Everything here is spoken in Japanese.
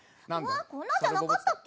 こんなんじゃなかったっけ？